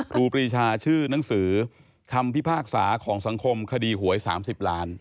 รูปรีชาชื่อหนังสือคำพิพากษาของสังคมคดีหวย๓๐ล้าน